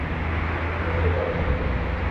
Kî li kê tade dike?